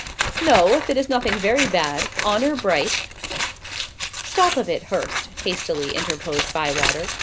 "No; if it is nothing very bad. Honour bright." "Stop a bit, Hurst," hastily interposed Bywater.